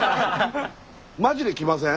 マジで来ません？